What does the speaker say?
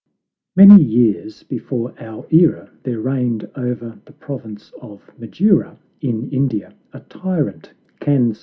Many years before our era there reigned over the province of Madura, in India, a tyrant, Kansa.